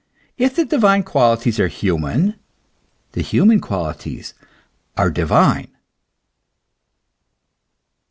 If the divine qualities are human, the human qualities are divine.